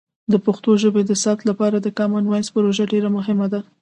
د پښتو ژبې د ثبت لپاره د کامن وایس پروژه ډیر مهمه ده.